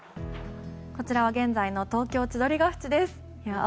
こちらは現在の東京・千鳥ヶ淵です。